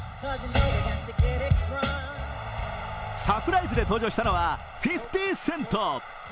サプライズで登場したのは５０セント。